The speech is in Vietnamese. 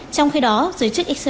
trong khi đó dưới chức israel